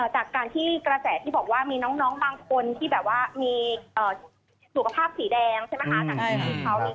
อ๋อจากการที่กระแสที่บอกว่ามีน้องบางคนที่แบบว่ามีสุขภาพสีแดงใช่มั้ยคะ